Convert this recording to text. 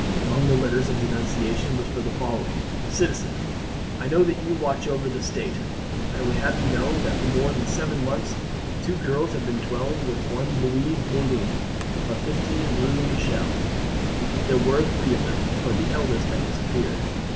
Among the letters of denunciation was the following: "Citizen, I know that you watch over the state. I would have you know that for more than seven months two girls have been dwelling with one Louise Moulin of 15 Rue Michel; there were three of them, but the eldest has disappeared.